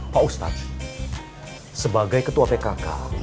pak ustadz sebagai ketua pkk